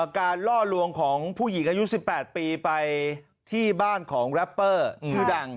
การล่อลวงของผู้หญิงอายุ๑๘ปีไปที่บ้านของแรปเปอร์ชื่อดัง